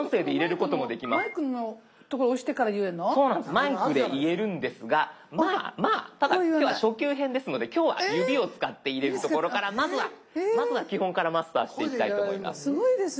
マイクで言えるんですがまあただ今日は初級編ですので今日は指を使って入れるところからまずは基本からマスターしていきたいと思います。